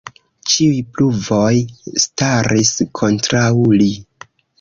Ĉiuj pruvoj staris kontraŭ li.